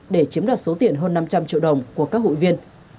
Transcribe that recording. để chiếm đoạt số tiền hơn năm trăm linh triệu đồng của các hội viên